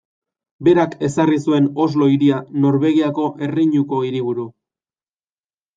Berak ezarri zuen Oslo hiria Norvegiako erreinuko hiriburu.